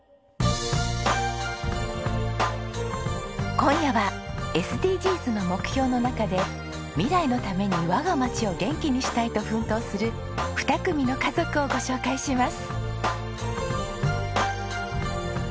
今夜はＳＤＧｓの目標の中で未来のために我が町を元気にしたいと奮闘する２組の家族をご紹介します。